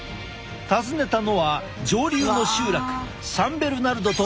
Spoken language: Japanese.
訪ねたのは上流の集落サン・ベルナルドとビサル。